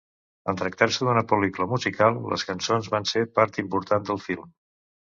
En tractar-se d'una pel·lícula musical les cançons van ser part important del film.